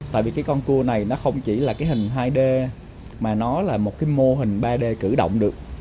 tại vì cái con cua này nó không chỉ là cái hình hai d mà nó là một cái mô hình ba d cử động được